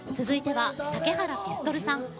続いては竹原ピストルさん。